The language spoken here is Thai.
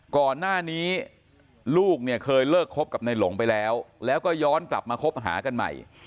ก่อนหน้านี้ลูกเนี่ยเคยเลิกคบกับในหลงไปแล้วแล้วก็ย้อนกลับมาคบหากันใหม่